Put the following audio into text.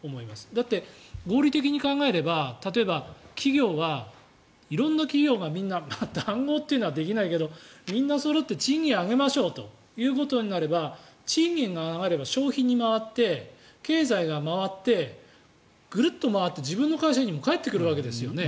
だって、合理的に考えれば例えば、企業は色んな企業がみんな談合っていうのはできないけどみんなそろって賃金上げましょうということになれば賃金が上がれば消費に回って経済が回ってグルッと回って自分の会社にも帰ってくるわけですよね。